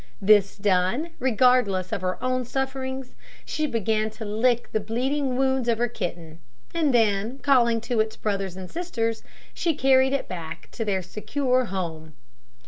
This done, regardless of her own sufferings, she began to lick the bleeding wounds of her kitten, and then, calling to its brothers and sisters, she carried it back to their secure home.